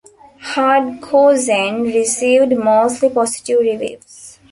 "Hardcore Zen" received mostly positive reviews.